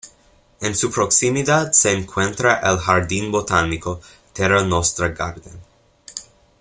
En su proximidad se encuentra el Jardín Botánico Terra Nostra Garden.